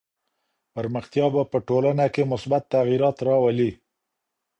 پرمختيا به په ټولنه کي مثبت تغيرات راولي.